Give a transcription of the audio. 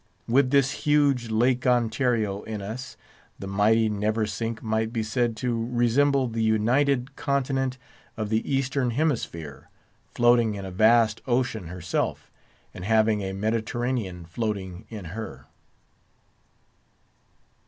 With this huge Lake Ontario in us, the mighty Neversink might be said to resemble the united continent of the Eastern Hemisphere—floating in a vast ocean herself, and having a Mediterranean floating in her.